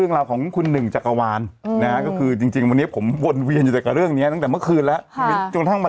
ที่โรงงานไฟไม่หน่อยหน่อยหนูอยู่ถึงตี๕เลยนะ